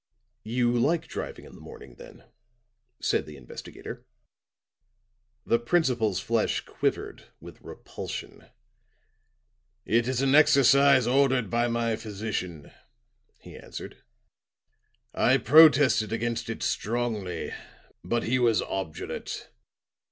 "You like driving in the morning, then?" said the investigator. The principal's flesh quivered with repulsion. "It is an exercise ordered by my physician," he answered. "I protested against it strongly, but he was obdurate.